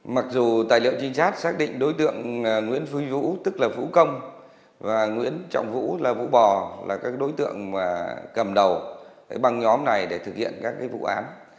mặc dù tài liệu trinh sát xác định đối tượng nguyễn phú vũ tức là vũ công và nguyễn trọng vũ là vũ bò là các đối tượng cầm đầu bằng nhóm này để thực hiện các vụ án